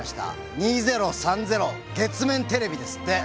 「２０３０月面ＴＶ」ですって。